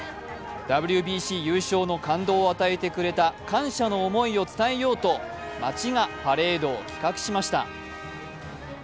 ＷＢＣ優勝の感動を与えてくれた感謝の思いを伝えようと町がパレードを企画しました。